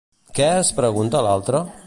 Què es pregunta l'altra?